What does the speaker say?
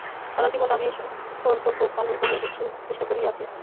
সারা জীবন আমি কর্তব্য পালন করিবার চেষ্টা করিয়াছি।